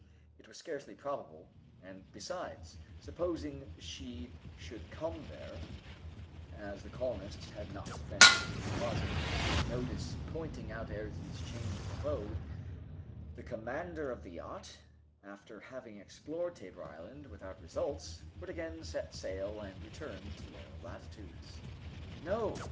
It was scarcely probable; and, besides, supposing she should come there, as the colonists had not been able to deposit a notice pointing out Ayrton's change of abode, the commander of the yacht, after having explored Tabor Island without results, would again set sail and return to lower latitudes. No!